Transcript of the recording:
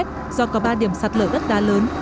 do có ba điểm sạt lở rất đa lớn